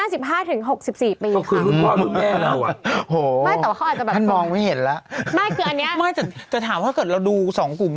เขาคือรุ่นพ่อรุ่นแม่หรือเปล่าว่ะโอ้โฮท่านมองไม่เห็นแล้วไม่แต่ถามถ้าเกิดเราดูสองกลุ่มนี้